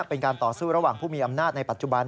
เป็นการต่อสู้ระหว่างผู้มีอำนาจในปัจจุบัน